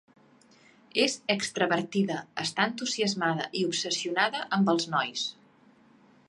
És extravertida, està entusiasmada i obsessionada amb els nois.